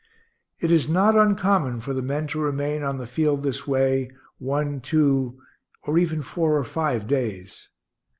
It is not uncommon for the men to remain on the field this way, one, two, or even four or five days.